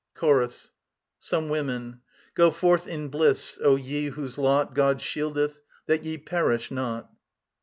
] CHORUS. SOME WOMEN. Go forth in bliss, O ye whose lot God shieldeth, that ye perish not!